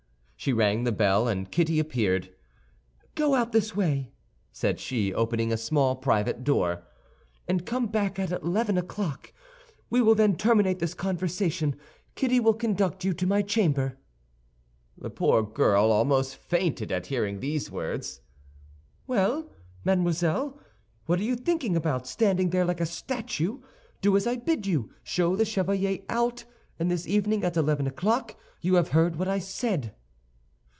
She rang the bell and Kitty appeared. "Go out this way," said she, opening a small private door, "and come back at eleven o'clock; we will then terminate this conversation. Kitty will conduct you to my chamber." The poor girl almost fainted at hearing these words. "Well, mademoiselle, what are you thinking about, standing there like a statue? Do as I bid you: show the chevalier out; and this evening at eleven o'clock—you have heard what I said."